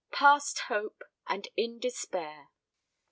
"PAST HOPE, AND IN DESPAIR."